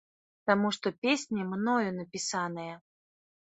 Таму што песні мною напісаныя.